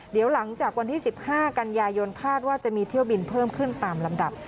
เดี๋ยวหลังจากวันที่๑๕กันยายนคาดว่าจะมีเที่ยวบินเพิ่มขึ้นตามลำดับ